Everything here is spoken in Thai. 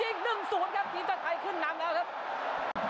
อีก๑๐ครับทีมชาติไทยขึ้นนำแล้วครับ